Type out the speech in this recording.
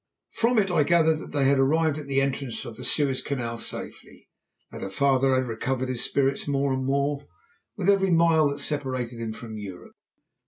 From it I gathered that they had arrived at the entrance of the Suez Canal safely; that her father had recovered his spirits more and more with every mile that separated him from Europe.